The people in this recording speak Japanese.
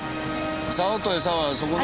竿とエサはそこの。